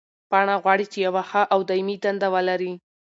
پاڼه غواړي چې یوه ښه او دایمي دنده ولري.